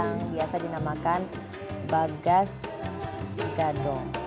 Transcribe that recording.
yang biasa dinamakan bagas gadong